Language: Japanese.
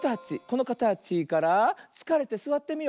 このかたちからつかれてすわってみよう。